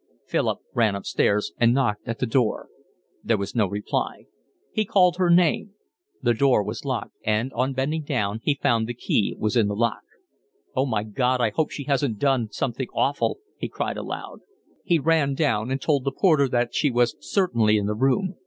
Philip ran upstairs and knocked at the door. There was no reply. He called her name. The door was locked, and on bending down he found the key was in the lock. "Oh, my God, I hope she hasn't done something awful," he cried aloud. He ran down and told the porter that she was certainly in the room.